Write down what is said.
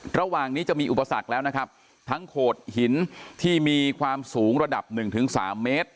ระหว่างนี้จะมีอุปสรรคแล้วนะครับทั้งโขดหินที่มีความสูงระดับหนึ่งถึงสามเมตร